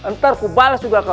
ntar kubalas juga kau